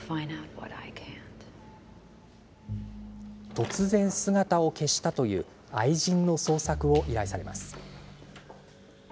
突然姿を消したという愛人の捜索を依頼されます。